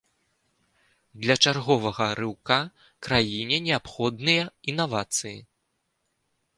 Для чарговага рыўка краіне неабходныя інавацыі.